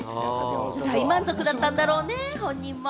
大満足だったんだろうね、本人も。